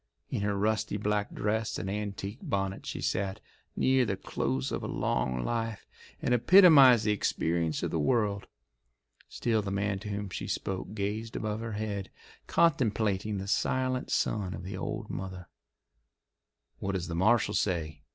In her rusty black dress and antique bonnet she sat, near the close of a long life, and epitomised the experience of the world. Still the man to whom she spoke gazed above her head, contemplating the silent son of the old mother. "What does the marshal say?"